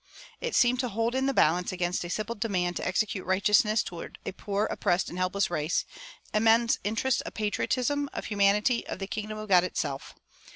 It seemed to hold in the balance against a simple demand to execute righteousness toward a poor, oppressed, and helpless race, immense interests of patriotism, of humanity, of the kingdom of God itself.